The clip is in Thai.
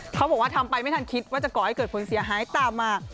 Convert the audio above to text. เขาบอกว่าทำไปไม่ทันคิดว่าจะก่อให้เกิดผลเสียหายตามมา